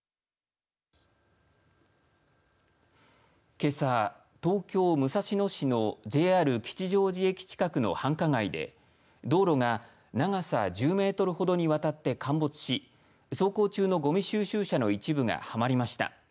けさ、東京、武蔵野市のＪＲ吉祥寺駅近くの繁華街で道路が長さ１０メートルほどにわたって陥没し、走行中のごみ収集車の一部がはまりました。